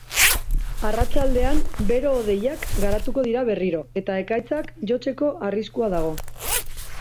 Arratsaldean bero-hodeiak garatuko dira berriro eta ekaitzak jotzeko arriskua dago.